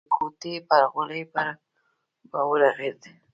د کوټې پر غولي به ورغړېد.